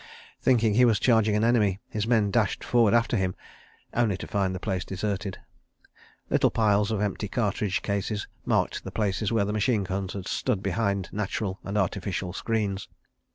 Thinking he was charging an enemy, his men dashed forward after him, only to find the place deserted. Little piles of empty cartridge cases marked the places where the machine guns had stood behind natural and artificial screens.